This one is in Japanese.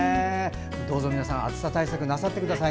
どうぞ皆さん暑さ対策なさってください。